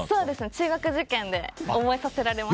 中学受験で覚えさせられました。